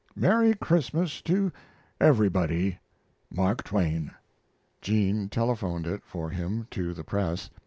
Merry Christmas to everybody! MARK TWAIN. Jean telephoned it for him to the press.